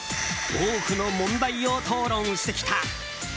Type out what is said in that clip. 多くの問題を討論してきた。